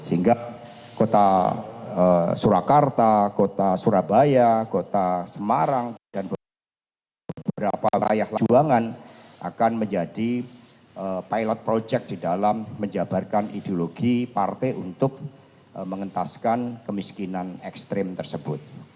sehingga kota surakarta kota surabaya kota semarang dan beberapa wilayah juangan akan menjadi pilot project di dalam menjabarkan ideologi partai untuk mengentaskan kemiskinan ekstrim tersebut